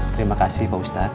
terima kasih pak ustadz